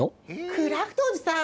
クラフトおじさん